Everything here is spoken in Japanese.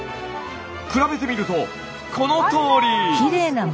比べてみるとこのとおり！